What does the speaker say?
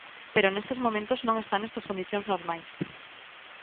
Pero nestes momentos non está nestas condicións normais.